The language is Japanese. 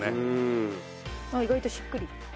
あっ意外としっくり。